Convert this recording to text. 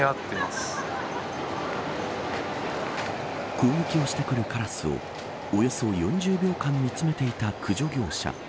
攻撃をしてくるカラスをおよそ４０秒間見つめていた駆除業者。